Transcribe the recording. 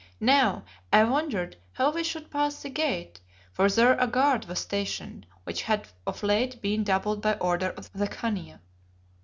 Now I wondered how we should pass the gate, for there a guard was stationed, which had of late been doubled by order of the Khania.